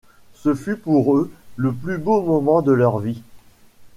Ce fut pour eux le plus beau moment de leur vie.